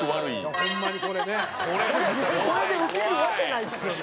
ノブ：これでウケるわけないっすよね。